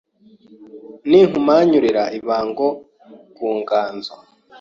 Ninkumanyurira ibango kunganzo